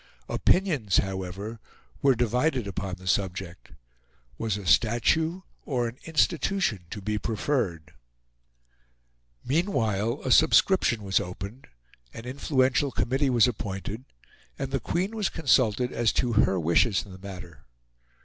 Opinions, however, were divided upon the subject. Was a statue or an institution to be preferred? Meanwhile a subscription was opened; an influential committee was appointed, and the Queen was consulted as to her wishes in the matter.